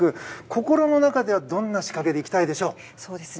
心の中では、どんな仕掛けでいきたいでしょう？